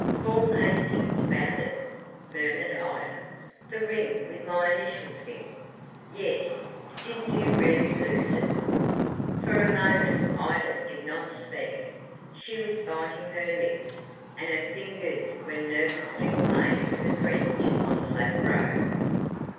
"Paul Hastings found it?" murmured Ida. "The ring with my initials in?" "Yes. Didn't you really lose it?" For a moment Ida did not speak. She was biting her lips, and her fingers were nervously playing with the fringe on the lap robe.